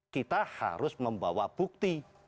kita harus membawa bukti